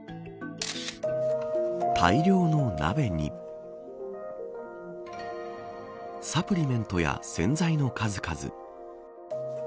大量の鍋にサプリメントや洗剤の数々。